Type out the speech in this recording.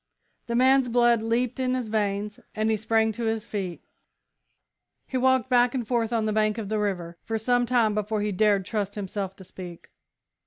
The man's blood leaped in his veins, and he sprang to his feet. He walked back and forth on the bank of the river for some time before he dared trust himself to speak.